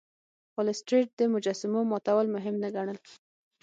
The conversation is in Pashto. خو لیسټرډ د مجسمو ماتول مهم نه ګڼل.